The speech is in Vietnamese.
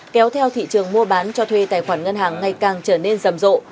kéo theo thị trường mua bán cho thuê tài khoản ngân hàng ngày càng trở nên rầm rộ